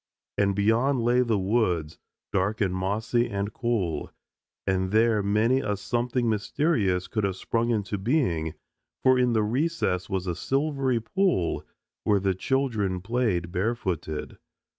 And beyond lay the woods, dark and mossy and cool, and there many a something mysterious could have sprung into being, for in the recess was a silvery pool where the children played barefooted.